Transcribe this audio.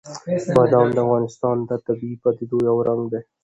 بادام د افغانستان د طبیعي پدیدو یو رنګ دی.